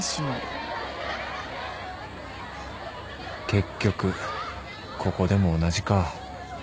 結局ここでも同じか